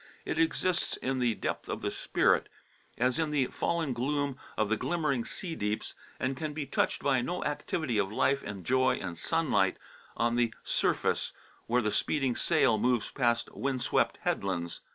It exists in the depth of the spirit, as in the fallen gloom of the glimmering sea deeps, and it can be touched by no activity of life and joy and sunlight on the surface, where the speeding sail moves past wind swept headlands.